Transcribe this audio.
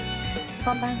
こんばんは。